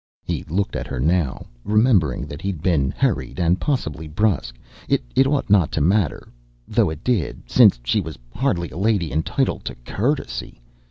He looked at her now, remembering that he'd been hurried and possibly brusque. It ought not to matter though it did since she was hardly a lady entitled to courtesy.